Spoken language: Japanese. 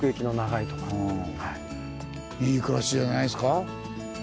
いい暮らしじゃないですか。